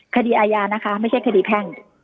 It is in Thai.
คดีอาญานะคะไม่ใช่คดีแพ่ง